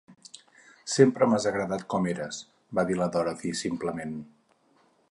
"Sempre m'has agradat com eres", va dir la Dorothy, simplement.